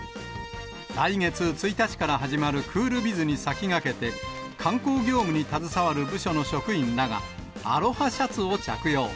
来月１日から始まるクールビズに先駆けて、観光業務に携わる部署の職員らが、アロハシャツを着用。